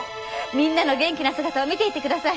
みんなの元気な姿を見ていってください。